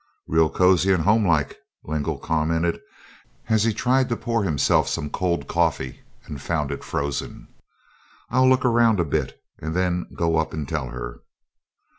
"Real cozy and homelike," Lingle commented, as he tried to pour himself some cold coffee and found it frozen. "I'll look around a bit and then go up and tell her."